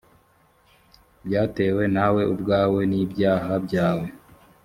byatewe nawe ubwawe n’ ibyaha byawe